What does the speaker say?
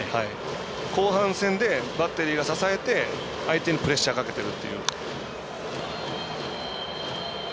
後半戦でバッテリーが支えて相手にプレッシャーをかけてるという。